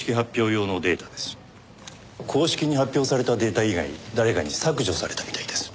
公式に発表されたデータ以外誰かに削除されたみたいです。